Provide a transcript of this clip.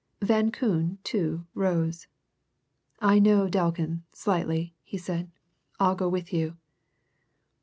Van Koon, too, rose. "I know Delkin, slightly," he said. "I'll go with you."